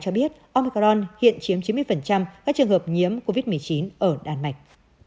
cho biết omcron hiện chiếm chín mươi các trường hợp nhiễm covid một mươi chín ở đan mạch